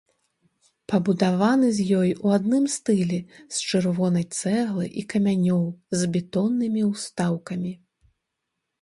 Пабудаваны з ёй у адным стылі з чырвонай цэглы і камянёў з бетоннымі ўстаўкамі.